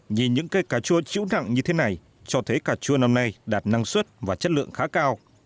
nhìn những cây cà chua chữ nặng như thế này cho thấy cà chua năm nay đạt năng suất và chất lượng khá cao